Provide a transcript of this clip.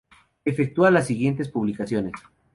Efectúa las siguientes publicaciones